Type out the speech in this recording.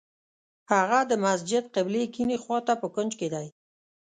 هغه د مسجد قبلې کیڼې خوا ته په کونج کې دی.